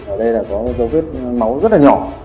ở đây là có dấu vết máu rất là nhỏ